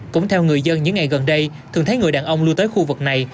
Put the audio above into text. cũng theo người dân những ngày gần đây thường thấy người đàn ông lưu tới khu vực này